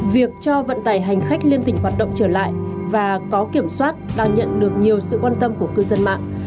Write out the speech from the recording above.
việc cho vận tải hành khách liên tỉnh hoạt động trở lại và có kiểm soát đang nhận được nhiều sự quan tâm của cư dân mạng